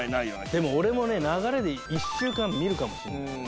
でも俺もね流れで１週間見るかもしれない。